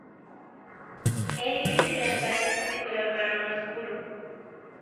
El iris y las patas son de color marrón oscuro.